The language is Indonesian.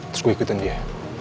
terus gue ikutin dia